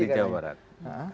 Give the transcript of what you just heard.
jawa adalah kunci